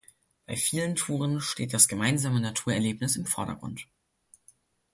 Bei vielen Touren steht das gemeinsame Naturerlebnis im Vordergrund.